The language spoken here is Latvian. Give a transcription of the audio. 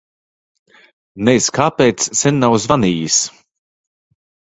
Nez kāpēc sen nav zvanījis.